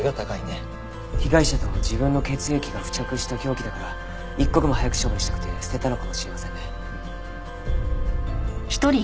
被害者と自分の血液が付着した凶器だから一刻も早く処分したくて捨てたのかもしれませんね。